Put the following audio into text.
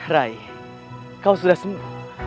rai kau sudah sembuh